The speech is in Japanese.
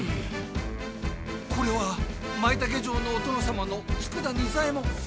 これはマイタケ城のお殿様の佃弐左衛門。